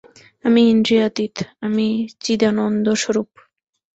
আমি ইন্দ্রিয়াতীত, আমি চিদানন্দস্বরূপ।